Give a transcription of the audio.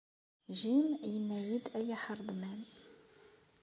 Jim yenna-yi-d ay aḥreḍman.